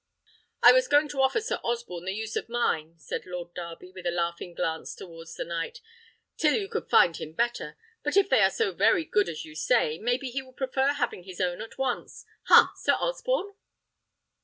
"I was going to offer Sir Osborne the use of mine," said Lord Darby, with a laughing glance towards the knight, "till you could find him better; but if they are so very good as you say, maybe he will prefer having his own at once. Ha! Sir Osborne?"